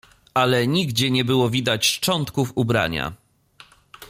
Ale nigdzie nie było widać szczątków ubrania.